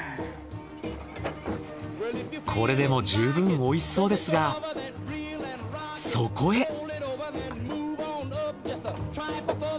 これでも十分美味しそうですがそこへ。